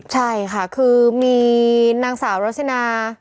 ใช่ค่ะคือมีนางสาวรสินา